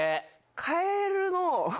カエルの。